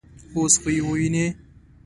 _اوس خو يې وينې.